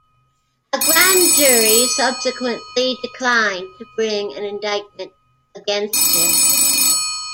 A grand jury subsequently declined to bring an indictment against him.